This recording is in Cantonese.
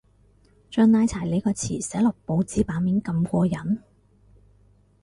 將拉柴呢個詞寫落報紙版面咁過癮